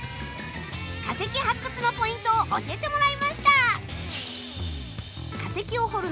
化石発掘のポイントを教えてもらいました！